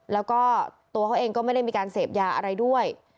แล้วก็ตัวเขาเองก็ไม่ได้มีการเสพยาอะไรด้วย